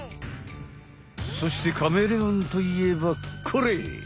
そしてカメレオンといえばこれ！